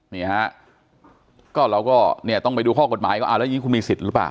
นี่ฮะก็เราก็เนี่ยต้องไปดูข้อกฎหมายว่าแล้วอย่างนี้คุณมีสิทธิ์หรือเปล่า